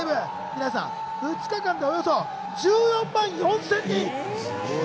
皆さん、２日間でおよそ１４万４０００人。